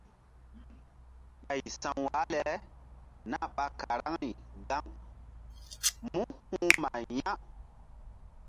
Ɓay sa̧w wah le nah ɓa karaŋri gaŋ mú huh mah ya̧.